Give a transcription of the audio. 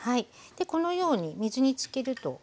でこのように水につけると。